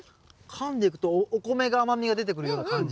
かんでくとお米が甘みが出てくるような感じ。